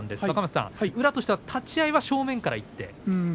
若松さん、宇良としても立ち合いは正面からいって。